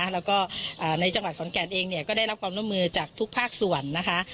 แล้วก็ในจังหวัดขอนแก่นเองก็ได้รับความร่วมมือจากทุกภาคส่วนนะคะ